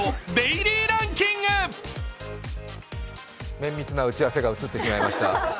綿密な打ち合わせが映ってしまいました。